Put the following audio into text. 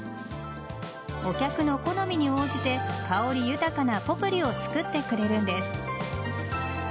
お客の好みに応じて香り豊かなポプリを作ってくれるんです。